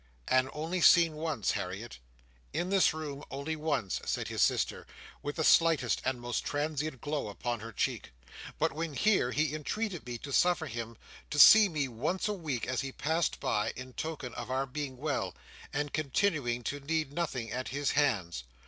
"And only seen once, Harriet?" "In this room only once," said his sister, with the slightest and most transient glow upon her cheek; "but when here, he entreated me to suffer him to see me once a week as he passed by, in token of our being well, and continuing to need nothing at his hands.